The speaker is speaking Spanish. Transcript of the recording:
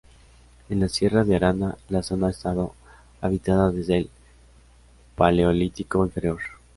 En la sierra de Arana, la zona ha estado habitada desde el Paleolítico inferior.